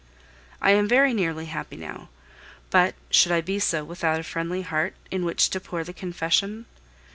I am very nearly happy now, but should I be so without a friendly heart in which to pour the confession?